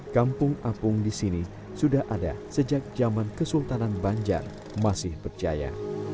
kampung apung di sini sudah ada sejak zaman kesultanan banjar masih berjaya